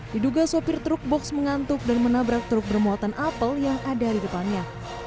diduga sopir truk box mengantuk dan menabrak truk bermuatan apel yang ada di depannya